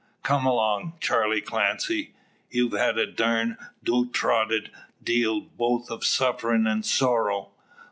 Come along, Charley Clancy! Ye've had a durned dodrotted deal both o' sufferin' an' sorrow.